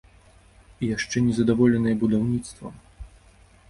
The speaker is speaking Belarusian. І яшчэ незадаволеныя будаўніцтвам!